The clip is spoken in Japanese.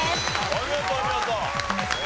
お見事お見事。